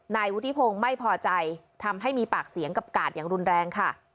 นายวุฒิพงศ์ไม่พอใจทำให้มีปากเสียงกับกาดอย่างรุนแรงค่ะ